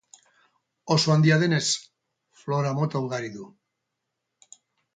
Oso handia denez, flora mota ugari du.